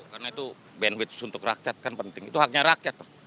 karena itu bandwidth untuk rakyat kan penting itu haknya rakyat